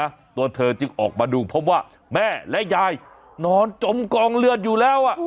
ตัวเธอจึงออกมาดูพบว่าแม่และยายนอนจมกองเลือดอยู่แล้วอ่ะ